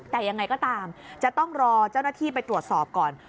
แต่ยังไงก็ตามจะต้องรอเจ้าหน้าที่ไปตรวจสอบก่อน